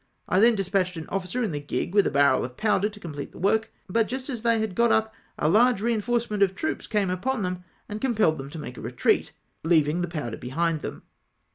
I then dispatched an ofiicer in the gig with a barrel of powder to complete the work, but just as they had got up, a large reinforcement of troops came upon them and compelled them to make a retreat, leav ing the powder behind them.